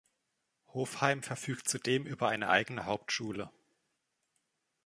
Hofheim verfügt zudem über eine eigene Hauptschule.